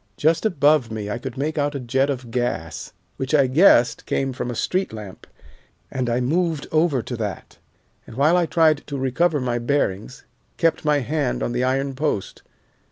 Just above me I could make out a jet of gas which I guessed came from a street lamp, and I moved over to that, and, while I tried to recover my bearings, kept my hand on the iron post.